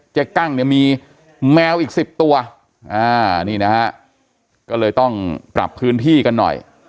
กั้งเนี่ยมีแมวอีก๑๐ตัวนี่นะฮะก็เลยต้องปรับพื้นที่กันหน่อย